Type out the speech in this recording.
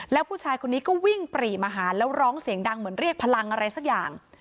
แล้วผู้ชายคนนี้ก็วิ่งปรีมาหาแล้วร้องเสียงดังเหมือนเรียกพลังอะไรสักอย่าง